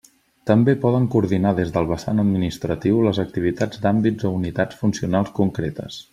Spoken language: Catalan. També poden coordinar des del vessant administratiu les activitats d'àmbits o unitats funcionals concretes.